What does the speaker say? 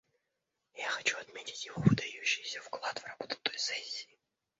Я хочу отметить его выдающийся вклад в работу той сессии.